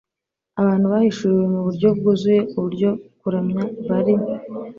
Abantu bahishuriwe mu buryo bwuzuye uburyo kuramya Bali